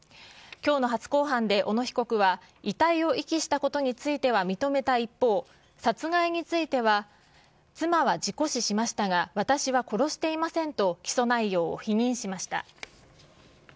きょうの初公判で小野被告は、遺体を遺棄したことについては認めた一方、殺害については、妻は事故死しましたが、私は殺していませんと起訴内容を否認しました。